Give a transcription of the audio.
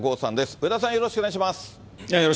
上田さん、よろしくお願いします。